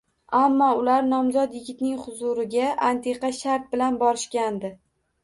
Ammo ular nomzod yigitning huzuriga antiqa shart bilan borishgandi